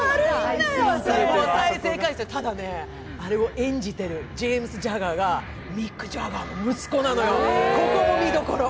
ただね、あれを演じてるジェームズ・ジャガーがミック・ジャガーの息子なのよ、ここも見どころ。